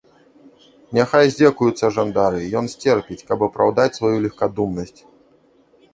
Няхай здзекуюцца жандары, ён сцерпіць, каб апраўдаць сваю легкадумнасць.